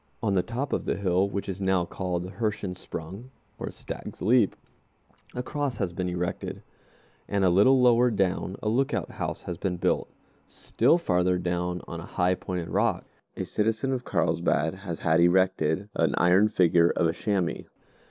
On the top of the hill, which is now called the Hirschensprung (stag's leap), a cross has been erected, and a little lower down a lookout house has been built. Still farther down, on a high pointed rock, a citizen of Carlsbad has had erected an iron figure of a chamois.